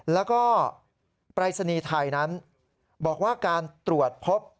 แล้วก็ปรายศนีย์ไทยนั้นบอกว่าการตรวจพบ